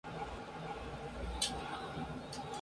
Los colores son rojos, amarillos y negros con fondo blanco.